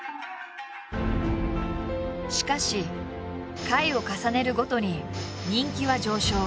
しかし回を重ねるごとに人気は上昇。